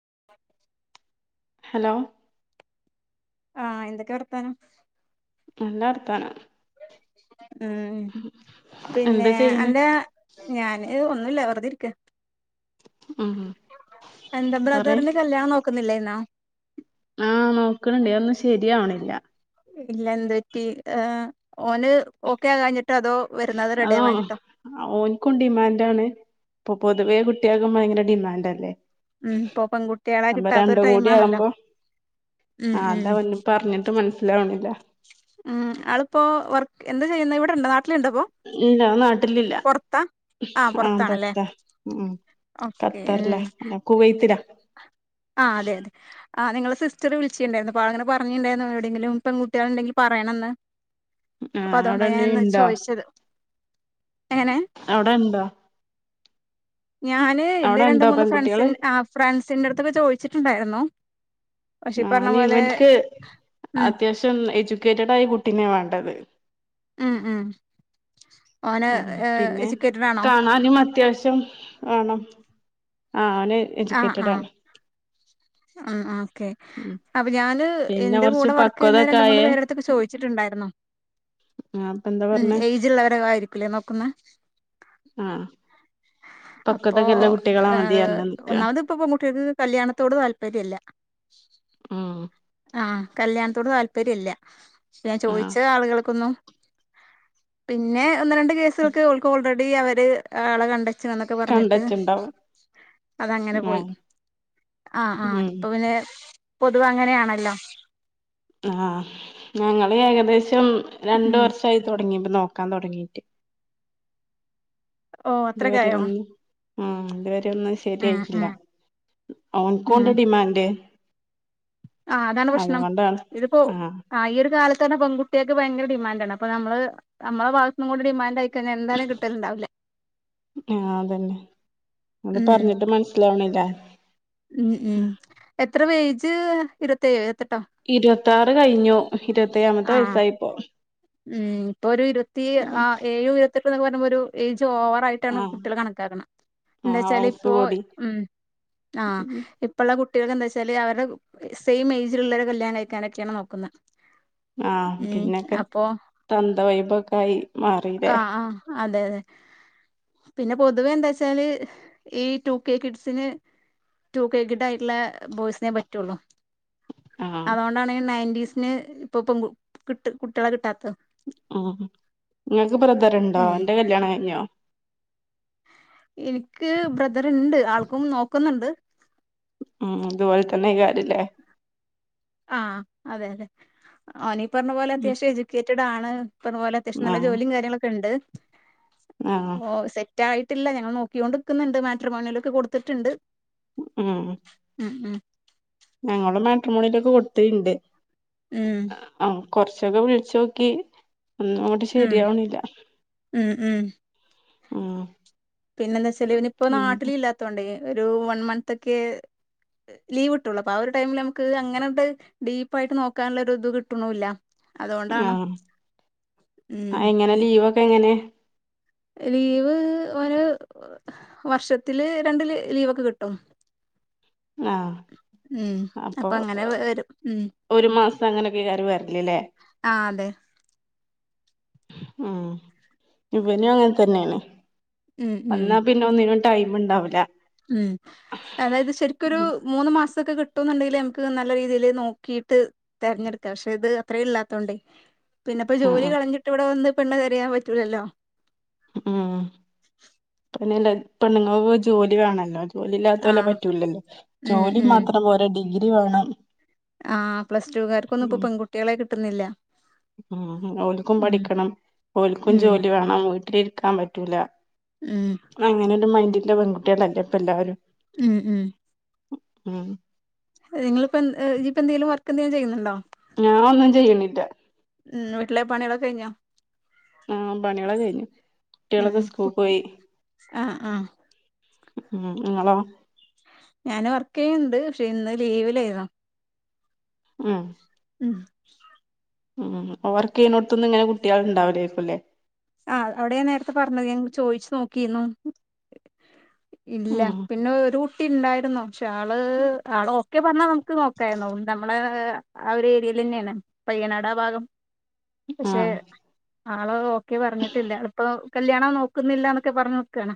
[unintelligible] Hello ആഹ എന്തൊക്കെ വർത്താനം നല്ല വർത്തമാന ഉം എന്താ പിന്നെ ചെയ്യണ് എന്റെ ഞാന് വെറുതെയിരിക്ക ഉം എന്താ പറയ് ബ്രദറിന്റെ കല്യാണം നോക്കുന്നില്ല എന്നാ ആ നോക്കണണ്ടേ ഒന്നും ശരിയാവണില്ല ഇല്ല എന്ത് പറ്റിഏ ഓന് ഓക്കെ ആകാഞ്ഞി ആ ഓനിക്കും ഡിമാൻഡ് ആണ് പോ പൊതുവെ കുട്ടികൾക്കും ഭയങ്കര ഡിമാൻഡ് അല്ലേ ഉം ഇപ്പൊ പെൺകുട്ടികളെ കിട്ടാത്തൊരു ടൈംമാണല്ലോ ആ അത അവന് പറഞ്ഞിട്ട് മനസ്സിലാവണില്ല ഉം ആളിപ്പോ വർക്ക് എന്ത ചെയ്യുന്നെ ഇവിടെണ്ട ന ഇല്ല നാട്ടിലില്ല ആഹ് ഉം പൊറത്താണല്ലേ പൊറത്താ ഉം ഓക്കെ കത്തറില അല്ല കുവൈത്തില ആ അതെ അതെ ആ നിങ്ങള് സിസ്റ്റർ വിളിട്ടുണ്ടായിരുന്നു അപ്പോൾ അങ്ങനെ പറഞ്ഞിണ്ടായിരുന്നു എവിടെങ്കിലും പെൺകുട്ടികൾ ഉണ്ടെങ്കിൽ പറയണന്ന് അപ്പൊ ആഹ് അവിടെ അതൊണ്ടാ ഞാന്ന് ഇണ്ടോ ചോദിച്ചത് എങ്ങനെ അവിടെ ഇണ്ടോ ഞാന് എൻ്റെ അവിടെ രണ്ട് ഇണ്ടോ മൂന്ന് ഫ്രണ്ട്സി പെൺകുട്ടികള് ഫ്രണ്ട്സിന്റെ അടുത്തൊക്കെ ചോദിച്ചിട്ടുണ്ടായിരുന്നു പക്ഷെ ഈ പറഞ്ഞ ഞാൻ പോലെ ഇവൻക്ക് ഉം അത്യാവശ്യം എജ്യൂക്കേറ്റഡ് ആയ കുട്ടീനെ വേണ്ടത് ഉം ഉം ഓന് ഉം പിന്നെ എജ്യൂക്കേറ്റഡ് ആണോ കാണാനും അത്യാവശ്യം വേണം ആ അവന് എജൂക്കേറ്റഡ് ആണ് ആ ആ ക്കേ ഉം അപ്പൊ ഞാന് പിന്നെ എന്റെ കൊറച്ച് കൂടെ വർക്ക് ചെയ്യുന്ന പക്വതൊക്കെ രണ്ട് മൂന്ന് ആയേ പേരെടുത്തൊക്കെ ചോദിച്ചിട്ടുണ്ടായിരുന്നു ആ അപ്പൊ എന്താ ഉം പറഞ്ഞേ ഏജ്ള്ളവര ആയിരിക്കലേ നോക്കുന്ന ആ അപ്പോ പക്വതൊക്കെല്ല കുട്ടികളെ ഏ മതി പറഞ്ഞ് നിക്കാണ് ഒന്നാമത് ഇപ്പൊ പെൺകുട്ടികക്ക് കല്യാണത്തോട് താല്പര്യല്ല ഉം ആ കല്യാണത്തോട് താല്പര്യം ഇല്ല ഞാൻ ആ ചോദിച്ച ആളുകൾക്കൊന്നും പിന്നെ ഒന്ന് രണ്ട് കേസുകൾക്ക് ഓൾക്ക് ഓൾറെഡി അവര് ആളെ കണ്ട ച്ഛ എന്നൊക്കെ പറഞ്ഞിട്ട് കണ്ടച്ചുണ്ടാവും അതങ്ങനെ ആ പോയി ആ ആ ഉം ഇപ്പൊ പിന്നെ പൊതുവേ അങ്ങനെയാണല്ലോ ആ ഞങ്ങള് ഏകദേശം രണ്ട് ഉം വർഷമായിത്തോ തുടങ്ങിട്ട് നോക്കാൻ തുടങ്ങീട്ട് ഓ അത്ര ഇതുവരെ കായോ ഒന്നും ഉം അതുവരെ ഒന്നും ശരിയായിട്ടില്ല ഓൻകോണ്ട് ഡിമാൻഡ് ആ അതാണ് പ്രക്ഷ്ണം അതുകൊണ്ടാണ് ഇതിപ്പോ ആ ഈ ഒരു കാല തന്നെ പെൺകുട്ടിയാക്ക് ഭയങ്കര ഡിമാൻഡ് ആണ് അപ്പോ നമ്മള് നമ്മള ഭാഗത്ത്നും കൂടി ഡിമാൻഡ് ആയി കയ്ഞാൽ എന്താലും കിട്ടലുണ്ടാവില്ല ആ അതന്നെ അത് ഉം പറഞ്ഞിട്ട് മനസ്സിലാവണില്ല ഉം ഉം എത്ര വേജ് ഇരുവത്തേഴോ ഇരുവ ഇരുപത്തിയാറ് കഴിഞ്ഞു ഇരുപത്ത്യാമത്തെ ആഹ് വയസായിപ്പോ ഉം ഇപ്പൊ ഒരു ഇരുപത്തി ആ ഏഴു ഇരുപത്തിട്ട് എന്നൊക്ക പറുമ്പോ ഒരു ഏജ് ചോവറായിട്ടാണ് ആഹ് കുട്ടികൾ കണക്കാക്കണം എന്താ ആഹ് വെച്ചാ വയസ്സ് ഇപ്പോ കൂടി ഉം ആ ഇപ്പള്ള കു കുട്ടികളെന്താ വെച്ചാല് അവരുടെ സെയിം ഏജിൽ ഉള്ളരെ കല്യാണം കഴിക്കാനൊക്കെയാണ് നോക്കുന്നത് ആ ഉം പിന്നൊക്കെ അപ്പൊ തന്ത വൈബ് പൊക്കെ ആയി മാറില്ലേ ആഹ് ആഹ് അതെ അതെ പിന്നെ പൊതുവേ എന്താ വച്ചാല് ഈ ടു കെ കിഡ്സിന് ടു കേ കിട് ആയിട്ടുള്ള ബോയ്സിനെ പറ്റുള്ളു ആഹ് അതുകൊണ്ടാണ് നയന്റ്റീസിന് ഇപ്പൊ പെൺ കിട്ട് കുട്ടികളെ കിട്ടാത്ത ഉം നിങ്ങൾക്ക് ബ്രദർണ്ടോ ഉം എന്റെ കല്യാണം കഴിഞ്ഞോ എനിക്ക് ബ്രദർ ഉണ്ട് ആൾക്കും നോക്കുന്നുണ്ട് ഉം ഇതുപോലെ തന്നെക്കരില്ലേ ആ അതെ അതെ ഓനീ പറഞ്ഞ പോലെ അത്യാവശ്യം എജുക്കേറ്റഡ് ആണ് ഈ പറഞ്ഞപോലെ അത്യാവശ്യം നല്ല ആഹ് ജോലിയും കാര്യങ്ങളൊക്കെ ഉണ്ട് ആഹ് ഒ സെ റ്റയിട്ടില്ല ഞങ്ങൾ നോക്കിക്കൊണ്ട്നിക്കുന്നുണ്ട് മാട്രമോണിയലൊക്കെ കൊടുത്തിട്ടുണ്ട് ഉം ഉം ഉം മോണിലൊക്കെ കൊടുത്തണ്ട് ഉം ആ കൊറച്ചൊക്കെ വിളിച്ചു നോക്കി ഒന്നും അങ്ങോട്ട് ഉം ശരിയാവണില്ല ഉം ഉം ആ പിന്നെന്താ വച്ചാല് ഇവനിപ്പോ നാട്ടില് ഇല്ലാത്തോണ്ടേ ഒരു വൺ മന്ത് ഒക്കെ ലീവ് കിട്ടുള്ളൂ അപ്പൊ ആ ഒരു ടൈമില് നമുക്ക് അങ്ങനെണ്ട് ഡീപ്പായിട്ട് നോക്കാനുള്ള ഒരു ഇത് കിട്ടണുല്ല ആ ഉം എങ്ങനെ ലീവൊക്കെ എങ്ങനെ ലീവ് ഒരു വർഷത്തില് രണ്ട് ലീവൊക്കെ കിട്ടും ആ ഉം അപ്പൊ അങ്ങനെ വരും ഉം ഒരു മാസം അങ്ങനെക്കെകെറി വരലല്ലേ ആ അതെ ഉ ഇവനും അങ്ങനെ തന്നെയാണ് ഉം ഉം വന്നാ പിന്നെ ഒന്നിനും ടൈം ഉണ്ടാവില്ല ഉം അതായത് ശരിക്കൊരു ഉം മൂന്ന് മാസമൊക്കെ കിട്ട ട്ടുന്നുണ്ടെങ്കിൽ ന്മക്ക് നല്ല രീതിയിൽ നോക്കിട്ട് തിരഞ്ഞെടുക്കാം പക്ഷെ ഇത് അത്രേ ഇല്ലാത്തോണ്ടേ പിന്നെപ്പോ ജോലി ആഹ് കളഞ്ഞിട്ട് ഇവിടെ വന്ന് പെണ്ണ് തെരയാൻ പറ്റൂലല്ലോ ഉം പിന്നെല്ല പെണ്ണുങ്ങൾക്ക് ജോലി വേണല്ലോ ജോലി ഇല്ലാത്ത ആ പോലെ പറ്റൂലല്ലോ ഉം ജോലി മാത്രം പോര ഡിഗ്രി വേണം ആ പ്ലസടുകാർക്കൊന്നും ഇപ്പോ പെൺകുട്ടികളെ കിട്ടുന്നില്ല ഉ അവക്കും ഉം പഠിക്കണം ഓൽക്കും ഉം ജോലി വേണം വീട്ടിലിരിക്കാൻ പറ്റൂല ഉം അങ്ങനെ ഒരു മൈൻഡിൽ പെൺകുട്ടികളല്ലെ ഇപ്പ എല്ലരും ഉം ഉം ഉം നിങ്ങളിപ്പോ എ ഇനിപ്പോ എന്തേലും വർക്ക് എന്തെങ്കിലും ചെയ്യുന്നുണ്ടോ ഞാൻ ഒന്നും ചെയ്യണില്ല വിട്ടിലെ പണികളൊക്ക കഴിഞ്ഞോ ആഹ് പണികള് കഴിഞ്ഞു ഉം കുട്ടികളൊക്കെ സ്കൂൾ പോയി ആഹ് ആഹ് നിങ്ങളോ ഞാന് വർക്ക് ചെയ്യ്ണ്ട് പക്ഷെ ഇന്ന് ലീവിലേയിരുന്നു ഉം ഉം ഉം വർക്കെയുന്നെടുത്തൊന്ന് ഇങ്ങനെ കുട്ടികൾ ഉണ്ടാവില്ലേയിരിക്കുംല്ലേ ആ അവിടെ ൻ നേരത്തെ പറഞ്ഞത് ഞങ്ങ ചോയിച്ചു നോക്കിയിന്നു ഇല്ല ഉം പിന്നെ ഒരു കു ട്ടിണ്ടായിരുന്നു പക്ഷെ ആള് ആള് ഓക്കെ പറഞ്ഞാ നമുക്ക് നോക്കായിരുന്നു നമ്മളെ ആ ഒരു എരിയ തന്നെയാണ് പയ്യനാട് ഭാഗം പക്ഷെ ആഹ് ആള് ഒക്കെ പറഞ്ഞിട്ടില്ല അളിപ്പോ കല്യാണം നോക്കുന്നില്ലന്നൊക്കെ പറഞ്ഞു നിക്കുവാണ്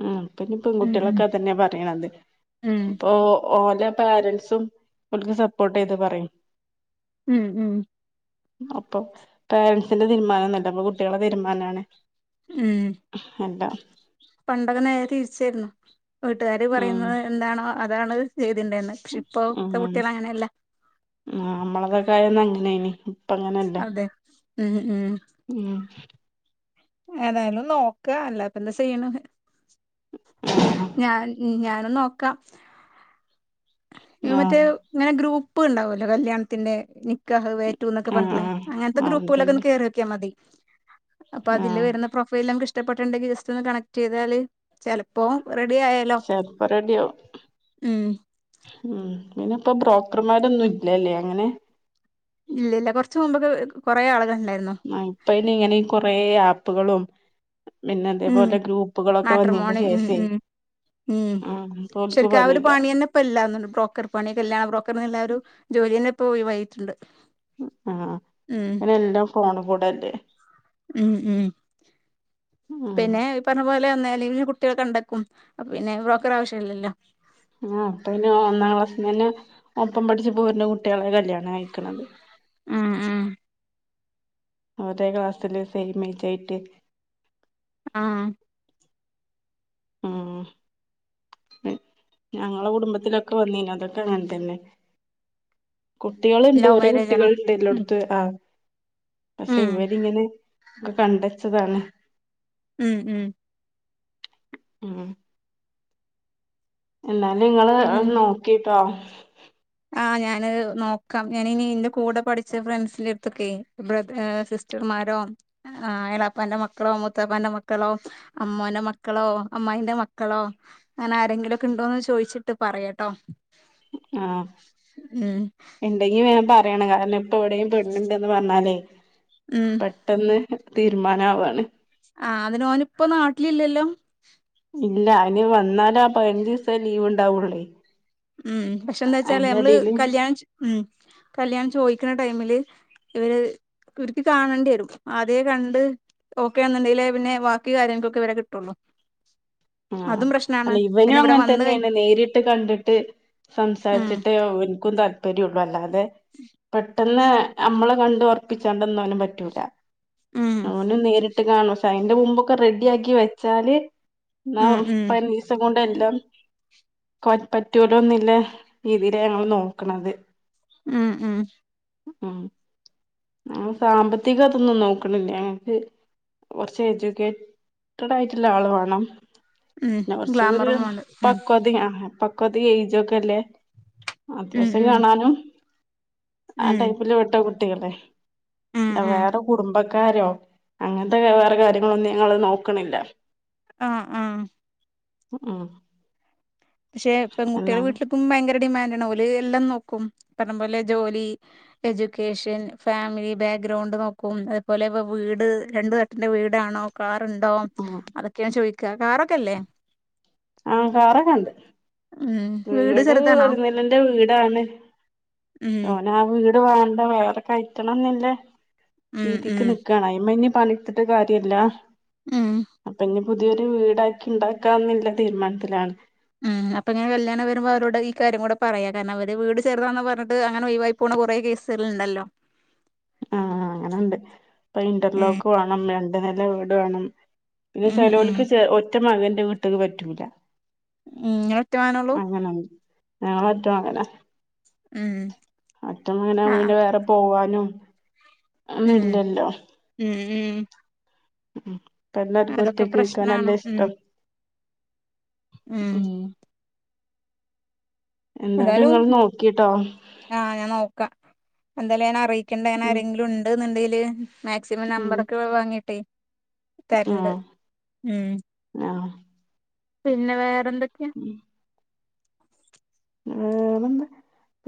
ഉ പഞ്ഞ് പെൺകുട്ടികളൊക്കെ അതന്നെയ പറയ്ണത് ഉം ഇപ്പൊ ഓ ല്ല പാരൻസും ഓൽക്ക് സപ്പോർട്ട് ചെയ്ത് പറയും ഉം ഉം അപ്പൊ പേരൻറ്സിന്റെ തീരുമാനോന്നുഅല്ല ഇപ്പ കുട്ടികളെ തീരുമാനാണെ അല്ല പണ്ടാക്കെ നേരെ തിരിച്ചായിരുന്നു വീട്ടുകാര് ഉം പറയുന്നത് എന്താണോ അതാണ് ണ്ടാർന്ന് പക്ഷെ ഇപ്പ ത്തെ കുട്ടികൾ അങ്ങനെയല്ല നമ്മളതൊക്കൊയന്നഅങ്ങനെയ്നി ഇപ്പ അങ്ങനല്ല അതെ ഉം ഉം ഉം ഏതായാലും നോക്ക അല്ലപ്പ എന്താ ചെയ്യണ് ഞാൻ ഞാനും നോക്കാം ഇത് മറ്റേ ആഹ് ഇങ്ങനെ ഗ്രൂപ്പ് ണ്ടാവുല്ലോ കല്യാണത്തിൻ്റെ നി ക്കഹ് വേ റ്റു ന്നൊക്കെ ആഹ് പറഞ്ഞിട്ടിള്ളെ ആഹ് അങ്ങനെത്തെ ആഹ് ഗ്രൂപ്പ്കളിലൊക്കെ ഒന്ന് അതന്നെ കേറി നോക്കിയാ മതി അപ്പൊ അതില് ആഹ് വരുന്ന പ്രൊഫൈൽ നമ്മക്ക് ഇഷ്ടപ്പെട്ടിട്ടുണ്ടെങ്കിൽ ജസ്റ്റ്‌ ഒന്ന് കണക്ട് ചെയ്താൽ ചെലപ്പോ റെഡി ആയാലോ ചെലപ്പോ റെഡിയാവും ഉം ഉം ഇങ്ങനെ പ്പൊ ബ്രോക്കർമാരൊന്നും ഇല്ലല്ലേ അങ്ങനെ ഇല്ല ഇല്ല കുറച്ച മുമ്പൊക്കെ കൊറെ ആളെക ആഹ് ഇപ്പ ഇനി ഇങ്ങനെ കൊറേ ആപ്പുകളും പിന്നെ ഉം അതേപോലെ ഗ്രൂപ്പുകളൊക്കെ വന്നിന്റെ മാട്രിമോണി ഉം ശേഷേ ഉം ഉം ഇപ്പോൽക്ക് ശരിക്കും ആ ഒരു പണിയില്ല പണി തന്നെ ഇപ്പ ഇല്ലാന്ന്ണ്ട് ബ്രോക്കർ പണിയൊക്കെ എല്ലാ ബ്രോക്കർന്ന്ല്ല ഒരു ജോലിതന്നെ ഇപ് പോയി വൈകിട്ട്ണ്ട് ആഹ് അതിന് എല്ലാം ഫോണ് കൂടല്ലേ ഉം ഉം ഉം പിന്നെ ഈ പറഞ്ഞപോലെ നെലവില് കുട്ടികള് കണ്ടെക്കും അപ്പ പിന്നെ ബ്രോക്കർടെ ആവശ്യം ഇല്ലല്ല ആഹ് അപ്പ പിന്നെ ഒന്നാം ക്ലാസ്സ് മുതല് ഒപ്പം പഠിച്ച പോര്ണ കുട്ടികളെ കല്യാണം കഴിക്ക്ണത് ഉം ഉം ഒരേ ക്ലാസ്സില് സെയിം ഏയ്ജായിട്ട് ആഹ് ഉം ഞ ഞങ്ങള കുടുംബത്തിലൊക്കെ വന്നിന് അതൊക്കെ അങ്ങനെ തന്നെ കുട്ടികള്ണ്ട് ലവ് കുറെ മാരേജ് ആണോ കുട്ടികള്ണ്ട് ഉം എല്ലോട്ത്ത് ആഹ് പക്ഷെ ഉം ഇവരിങ്ങനെ ഒക്കെ കണ്ടെച്ചതാണ് ഉം ഉം ഉം എന്നാലും നിങ്ങള് പിന്നെ എഹ് നോക്കിട്ടോ ആഹ് ഞാന് നോക്കാം ഞാന് ഇനി എന്റെ കൂടെ പഠിച്ച ഫ്രണ്ട്സിന്റെടുത്തൊക്കെ ബ്രദർ ഏഹ് സിസ്റ്റർമാ മാരോ ആഹ് എളാപ്പാന്റ് മക്കളോ മൂത്തപ്പാന്റെ മക്കളോ അമ്മോന്റെ മക്കളോ അമ്മായിന്റെ മക് മക്കളോ അങ്ങനെ ആരെങ്കിലൊക്കെ ഉണ്ടോന്ന് ചോയിച്ചിട്ട് പറയട്ടോ ആഹ് ഇണ്ടെങ്കി വേഗം പറയണം കാരണം ഇപ്പ എവിടെം പെന് ണ്ടന്ന് പറഞ്ഞാലേ ഉം പെട്ടെന്ന് തീരുമാനാവാണ് ആഹ് അതിനോൻ ഇപ്പ നാട്ടില് ഇല്ലല്ലോ ഇല്ല അവന് വന്നാല ആ പതിനഞ്ച് ദിവസെ ലീവ് ഉണ്ടാവൂള്ളേ ഉം പക്ഷെ എന്താ വെച്ചാല് നമ്മള് കല്യാണം ച് ഉം കല്യാണം ചോദിക്കണ ടൈമില് ഇവര് ഇർക്ക് കാണേണ്ടി വരും ആദ്ധ്യേ കണ്ട് ഓക്കെ എന്നുണ്ടെങ്കിലേ പിന്നെ ബാക്കി കാര്യങ്ങൾക്കൊക്കെ വരെ കിട്ടുള്ളൂ ആഹ് അതും പ്രശ്നാണ് അല്ല ഇവനും പിന്നെ ഇവിടെ അങ്ങനെ വന്ന് കഴി തന്നെണ് നേരിട്ട് കണ്ടിട്ട് ഉം സംസാരിച്ചിട്ടേ എനിക്കും താല്പര്യംള്ളു അല്ലാതെ പെട്ടെന്ന് നമ്മളെ കണ്ട് വർ പിച്ചാണ്ടൊന്നും അവന് പറ്റൂല ഉം അവന് നേരിട് ട്ട് കാണും പക്ഷേ അതിന്റെ മുമ്പൊക്കെ റെഡി ആക്കി വെച്ചാല് എന്ന ഉം ഉം പതിനഞ്ചിസം കൊണ്ട് എല്ലാം കൊൻ പറ്റൂലന്നില്ലേ രീതിയില ഞങ്ങള് നോക്കണത് ഉം ഉം ഉം ഞങ്ങള് സാമ്പത്തിക അതൊന്നും നോക്കണില്ല ഞങ്ങക്ക് കുറച്ച് എജ്യൂക്കേറ്റഡ് ആയിട്ടുള്ള ആള് വേണം ഉം ന്ന കൊർച്ചക്കൊരു ഗ്ലാമറും വേണം ഉം പക്വതയാ പക്വതെ ഏയ്ജൊക്കെല്ലേ ഉം അത്യാവശ്യം ഉം കാണാനും ആ ഉം ടൈപ്പില് വിട്ട കുട്ടികളെ ഉം ഉം വേറെ കുടുംബ ക്കാരോ അങ്ങനത്തെ വേറെ കാര്യങ്ങളൊന്നും ഞങ്ങള് നോക്കണില്ല ആഹ് ആഹ് ഉം പക്ഷെ പെങ്കുട്ടികള് എന്നാലും വീട്ടിലിപ്പം ഭയങ്ക ഡിമാന്റ് ആണ് ഓല് എല്ലാം നോക്കും പറഞ്ഞ പോലെ ജോലി എക്കേഷൻ ഫാമിലി ബാഗ് ഗ്രൗണ്ട് നോക്കും അത് പോലെ ഇ വീട് രണ്ടു തട്ടന്റെ വീടാണോ ണ്ടോ ഉം അതൊക്കെയാണ് ചോദിക്കുക കറൊക്കെല്ലേ ആഹ! കാറൊക്കെണ്ട് വീട് ഒരുനല്ലിന്റെ വീടാണ് ഉം ഓന ആ വീട് വേണ്ട വേറെ കറ്റണല്ല ഉം ഉം രീതിക്ക് നാണ് പണിത്തിട്ട് കാര്യല്ല ഉം അപ്പൊ ഇ- പുതിയൊരു വീടാക്കി ഉണ്ടാക്ക എന്നില്ല തീരുമാനത്തിലാണ്. ഉം് അപ്പൊങ്ങനെ കല്യാണം വരുമ്പോ അവരോട് ഈ കാര്യം കൂടെ- പറയാ കാരണം അവര് വീട് ചേർതാന്ന് പറഞ്ഞിട്ട് അങ്ങനെ ഒയി വായി പോണകുറെേ കേസുകൾണ്ടല്ലോ ആ അങ്ങനെുണ്ട് ഇപ്പൊ ഉം ഇന്റർലോക്ക് വേണം രണ്ട് നില വീട് വേണം പിന്നെ ഉം ഉം സെലോലിക്ക് ച ഒറ്റ മകൻന്റെ വീട്ടക്ക് പറ്റൂല്ല ഉങ്ങന ഒറ്റ മോനെള്ളൂ ഞങ്ങ മറ്റും അങ്ങനെ ഉം അറ്റങ്ങനെ ആഹ് പിനെ വേറെ പോവാനും ഒന്നും ഉം ഇല്ലല്ലോ ഉം ഉം ഉ ഇ എല്ലർും അതൊക്കെ ഒറ്റക്ക് കേക്കാൻ പ്രശ്നാണ് നല്ല ഉം ഇഷ്ടം ഉം എന്തായാലും ഇങ്ങള് നോക്കിട്ടോ ആഹ! ഞാൻ നോക്കാം എന്തായാലും ഞാ അറിയിക്കണ്ട ങ്ങന ഉം ആരെങ്കിലും ഉണ്ട എന്നുണ്ടെങ്കില് മാക്സിമം ഉം നമ്പറൊക്കെ വാങ്ങിട്ടേ തരണ്ട് ആഹ് ഉ ആഹ് പിന്നെ വേറെ ടെ എന്തൊക്കെയാ ഉം വറെ എന്താ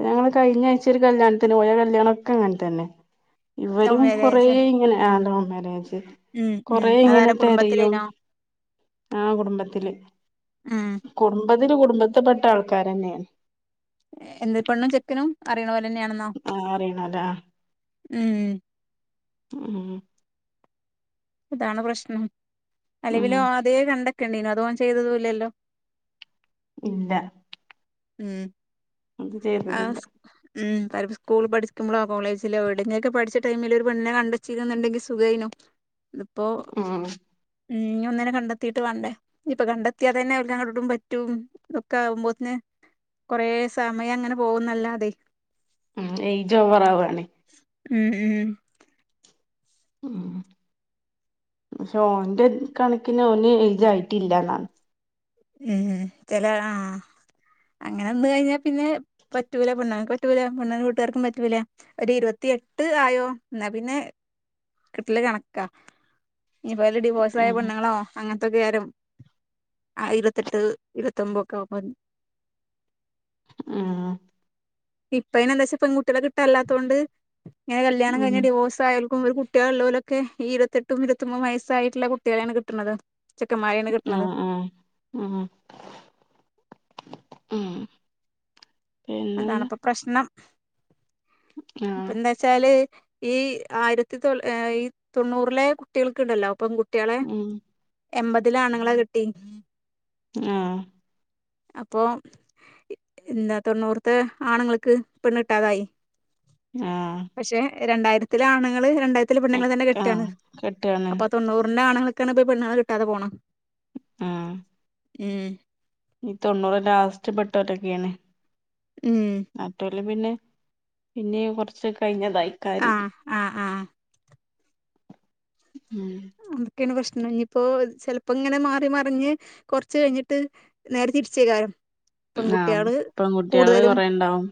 ഞങ്ങള് കഴിഞ്ഞ ആഴ്ച്ച ഒരു കല്യാണത്തിന് പോയ കല്യാണണം ഒക്കെ അങ്ങനെ തന്നെ ലവ് ഇവരും കൊറ മാരേജാ ഇങ്ങനെ ആ ലവ മേജ് ഉം ഉം കൊറെ എങ്ങനെ അതാരാ തിരയും കുടുംബത്തിലേനോ ആഹ കുടുംബത്തില് ഉം കുടുംബത്തില്ൽ കുടുംബത്തിപ്പെെട്ട ആൾക്കാരന്നെയാണ് എന്ത് പണ്ണ ചെക്കനും അറിയണവ ആഅറിയാണൊരാ ഉം ഉം അതാണ് പ്രശ്നം ഉം അലിവില ആദ്യെ കണ്ട ണ്ടന അതോെ ചെയ്തതല്ലല്ലോ ഇല്ല ഉം അതു ചെയ്രുന്നില്ല അലപ്പോൾ സ്കൂൾ പഠിക്കുമ്പോ കോളേജിലോ എവിടുന്നൊക്കെ പഠിച്ച ടൈമിൽ ഒരു പെണ്ണെ കണ്ടച്ചിരുന്നുണ്ടെിൽ സുഖൈനോ ഇപ്പോൊ ഉം ഉം ഒന്നനെ കണ്ടെത്തിയിട്ട് വേണ്ടേ ഇപ്പൊ കണ്ടെത്തിയാതെ തന്നെ അവങ്ങ ഇടും പറ്റും ഇക്കെ ആവുമ്പോന് കൊറെ സമയം അങ്ങനെ പോകുന്നല്ലാതെ ഉം ഏ ജോ പററാവുണ ഉം ഉം ഉ പക്ഷെ ഓന്റെ കണക്കിന് ഓന് എഴുജായിട്ടില്ലന്നാണ് ഉം ചല ആഹ അങ്ങനെ ഒന്ന കഴിഞ്ഞാൽ പിന്നെ പറ്റൂല പെണ്ണക്ക് പറ്റൂല പെണ്ണൻ വീട്ടുകാർും പറ്റൂല ഒരു ഇരുപത്തി എട്ട് ആയോ എന്നാ പിന്നെ കിട്ടില് കണക്കാ ഇനിപ്പോല് ഡിവോഴ്സ് ആയ ഉം പെണ്ണുങ്ങളോ അങ്ങനത്തൊക്കെ ആരും ആ ഇരുപത്തെട്ട് ഇരുപത്തൊമ്പൊക്കെ ആവു മ്പ ആഹ! ഇപ്പയിനെന്താച്ചാ പെൺകുട്ടികളെ കിട്ടാനില്ലാത്തകൊണ്ട് ഇങ്ങന കല്യാണം ഉം കഴിഞ്ഞ ഡിവോഴ്സായാലും കുട്ടികളൊള്ള പോലൊക്കെ ഈ ഇരുപത്തെട്ടും ഇരുപത്തൊമ്പതും വയസ്സായിട്ടുള്ള കുട്ടികളെയാണ് കിട്ടണത് ചെക്കൻമാരെയാണ് കിട്ടണത്. ആഹ് ആഹ് ഉം ഉം പിന്നെന്താ അതാണിപ്പൊ പ്രശ്നം. ആഹ് ഇപ്പെന്താച്ചാല് ഈ ആയിരത്തിതൊ ഈ തൊണ്ണൂറിലെ കുട്ടികൾക്ക് ഉണ്ടല്ലോ പെങ്കു ഉം എമ്പതിലെയാണുങ്ങളെ കിട്ടി. ആ അപ്പൊ എന്താ തൊണ്ണൂറത്തെ ആണുങ്ങൾക്ക് പെണ്ണു കിട്ടാതായി. ആ പക്ഷെ രണ്ടായിരത്തിലെ ആണുങ്ങള് രണ്ടായിരത്തിലെ പെണ്ണങ്ങളെ തന്നെ കെട്ടുകാണ് ആഹ് കെട്ടാണ് അപ്പൊ തൊണ്ണൂറിന്റാണുങ്ങൾ ക്കാണിപ്പോ ഈ പെണ്ണുങ്ങളെ കിട്ടാതെ പോണ ആ ഉം ഈ തൊണ്ണൂറ് ലാസ്‌റ്റിപ്പെട്ടവരൊക്കെയാണ്. ഉം ള് പിന്നെ പിന്നെ കുറച്ച് കഴിഞ്ഞാൽ ആ ആ ആ ഉം ഒക്കെയാണ് പ്രശ്നം ഞ്ഞിപ്പോ ചെലപ്പങ്ങനെ മാറി മറിഞ്ഞ് കൊറച്ച് കഴിഞ്ഞിട്ട് നേരെ തിരിച്ചേക്കാരം ആഹ് പെങ്കുട്ട്യാള് പെൺകുട്ടികള് കൂടുതലും കൊറേ ഇണ്ടാവും